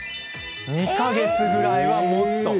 ２か月ぐらいはもつと。